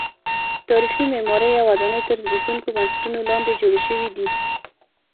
تاریخي معمارۍ او ودانۍ تر زبېښونکو بنسټونو لاندې جوړې شوې دي.